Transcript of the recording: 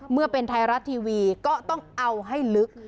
เมื่อเป็นไทยรัฐทีวีก็ต้องเอาให้ลึก